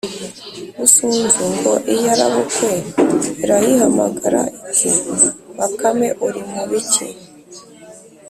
Busunzu ngo iyirabukwe irayihamagara iti Bakame urimubiki